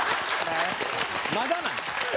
まだなんで。